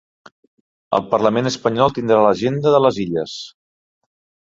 El Parlament Espanyol tindrà l'agenda de les Illes